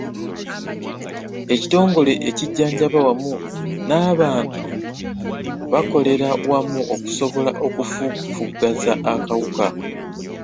Ekitongole ekijjanjabi wamu n'abantu bakolera wamu okusobola okufufugaza akawuka.